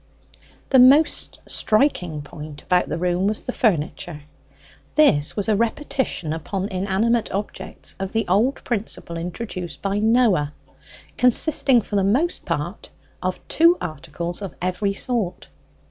The most striking point about the room was the furniture. This was a repetition upon inanimate objects of the old principle introduced by Noah, consisting for the most part of two articles of every sort.